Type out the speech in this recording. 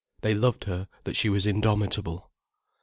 They loved her that she was indomitable.